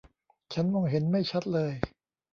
ฉันมองเห็นไม่ชัดเลย